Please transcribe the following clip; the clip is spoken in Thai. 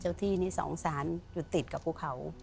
เจ้าที่นี่สองศาลอยู่ติดกับครูเขา